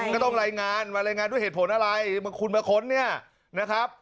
ต้องมารายงานรายงานด้วยเหตุผลอะไรคุณมาค้นนะครับ